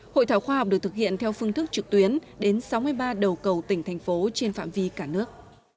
hội thảo khoa học được thực hiện theo phương thức trực tuyến đến sáu mươi ba đầu cầu tỉnh thành phố trên phạm vi cả nước